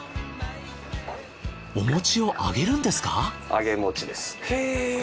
お餅を揚げるんですか！？